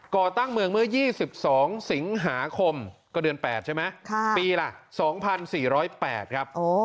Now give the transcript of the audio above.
ก่อตั้งเมืองเมื่อ๒๒สิงหาคมก็เดือน๘ใช่ไหมปีละ๒๔๐๘ครับ